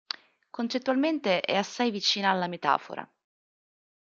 Concettualmente è assai vicina alla metafora.